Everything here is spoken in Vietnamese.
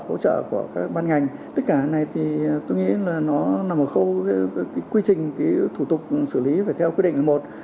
hỗ trợ của các ban ngành tất cả này thì tôi nghĩ là nó nằm ở khâu quy trình cái thủ tục xử lý phải theo quy định một